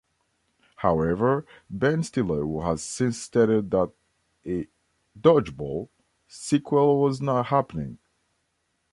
However Ben Stiller has since stated that a "DodgeBall" sequel was not happening.